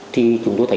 thì chúng tôi thấy